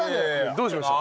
どうしました？